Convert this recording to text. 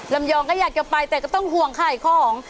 ยองก็อยากจะไปแต่ก็ต้องห่วงขายของ